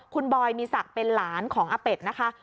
คุณบอยมีศักดิ์เป็นหลานของอาเป็ดนะคะ